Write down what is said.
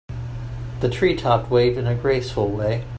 The tree top waved in a graceful way.